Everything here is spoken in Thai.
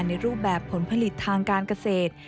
รูปแบบผลผลิตทางการเกษตร